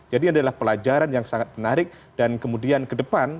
jadi adalah pelajaran yang sangat menarik dan kemudian ke depan